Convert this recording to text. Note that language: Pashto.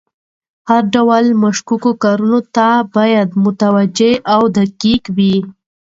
هر ډول مشکوکو کارونو ته باید متوجه او دقیق وي.